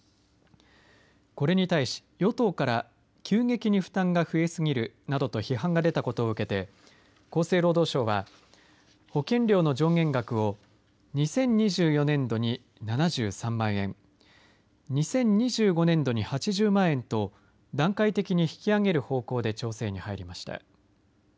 これに対し与党から急激に負担が増えすぎるなどと批判が出たことを受けて厚生労働省は保険料の上限額を２０２４年度に７３万円２０２５年度に８０万円と段階的に引き上げる方向で調整に入りました。